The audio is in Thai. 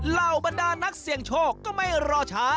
เหล่าบรรดานักเสี่ยงโชคก็ไม่รอช้า